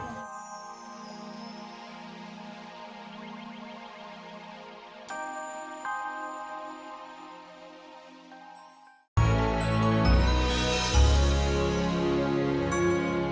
tentu saja sayang